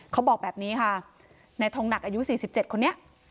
เขาบอกแบบนี้ค่ะในทงหนักอายุสี่สิบเจ็ดคนนี้